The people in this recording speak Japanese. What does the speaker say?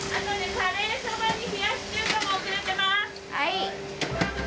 はい。